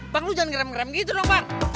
bang lo jangan ngerem ngerem gitu dong bang